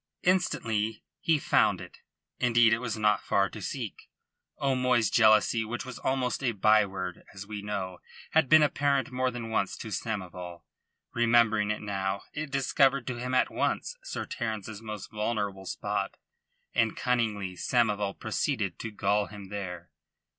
Instantly he found it. Indeed it was not very far to seek. O'Moy's jealousy, which was almost a byword, as we know, had been apparent more than once to Samoval. Remembering it now, it discovered to him at once Sir Terence's most vulnerable spot, and cunningly Samoval proceeded to gall him there.